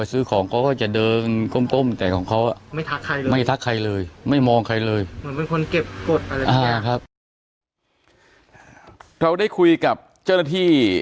เราได้คุยกับเจ้าหน้าที่